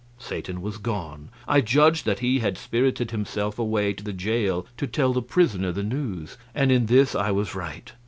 Satan was gone. I judged that he had spirited himself away to the jail to tell the prisoner the news; and in this I was right.